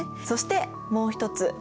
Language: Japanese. そしてもう一つ。